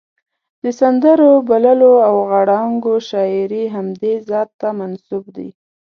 د سندرو، بوللو او غړانګو شاعري همدې ذات ته منسوب دي.